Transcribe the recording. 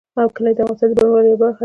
کلي د افغانستان د بڼوالۍ یوه برخه ده.